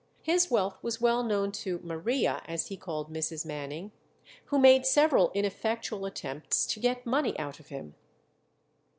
His wealth was well known to "Maria," as he called Mrs. Manning, who made several ineffectual attempts to get money out of him.